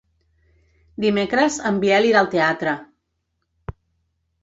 Dimecres en Biel irà al teatre.